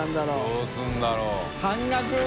どうするんだろう？